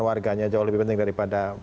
warganya jauh lebih penting daripada